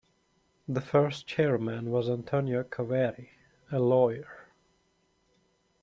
The first chairman was Antonio Caveri, a lawyer.